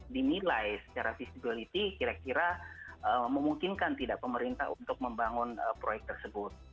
dinilai secara visibility kira kira memungkinkan tidak pemerintah untuk membangun proyek tersebut